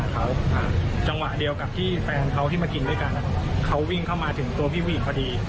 สาหมอก๋วยเตี๋ยวผมก็หล่นลงพื้นพอผมเห็นแฟนเขาวิ่งมาถึงตัวพี่ผู้หญิงแล้ว